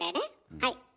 はい。